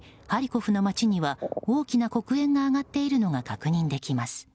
ハリコフの街には大きな黒煙が上がっているのが確認できます。